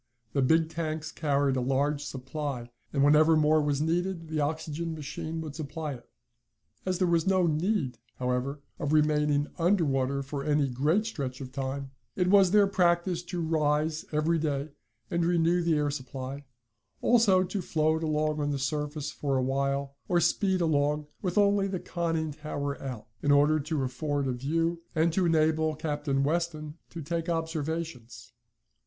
The big tanks carried a large supply, and whenever more was needed the oxygen machine would supply it. As there was no need, however, of remaining under water for any great stretch of time, it was their practice to rise every day and renew the air supply, also to float along on the surface for a while, or speed along, with only the conning tower out, in order to afford a view, and to enable Captain Weston to take observations.